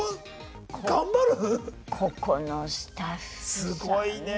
すごいねえ。